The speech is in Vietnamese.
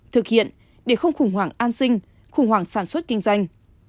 thực hiện để không khủng hoảng an sinh khủng hoảng sản xuất kinh doanh